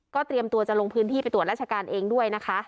เตรียมตัวจะลงพื้นที่ไปตรวจราชการเองด้วยนะคะ